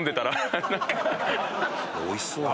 あっおいしそう！